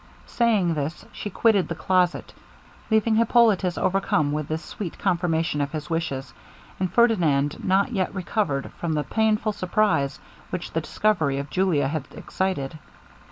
Saying this she quitted the closet, leaving Hippolitus overcome with this sweet confirmation of his wishes, and Ferdinand not yet recovered from the painful surprize which the discovery of Julia had excited.